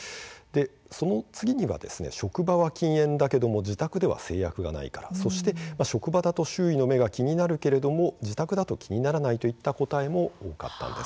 その次には職場は禁煙だけども自宅では制約がないからそして職場では周囲の目が気になるけれども自宅では気にならないといった答えも多かったんです。